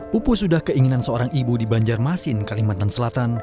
pupu sudah keinginan seorang ibu di banjarmasin kalimantan selatan